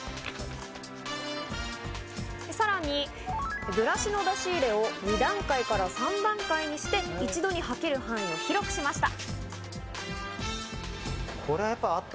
さらにブラシの出し入れを２段階から３段階にして、一度にはける範囲を広くしました。